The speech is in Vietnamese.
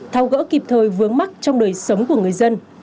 thao gỡ kịp thời vướng mắt trong đời sống của người dân